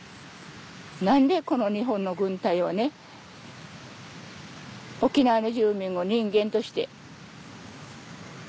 何でこの日本の軍隊は沖縄の住民を人間として。